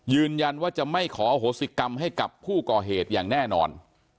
ยืนยันว่าจะไม่ขอโหสิกรรมให้กับผู้ก่อเหตุอย่างแน่นอน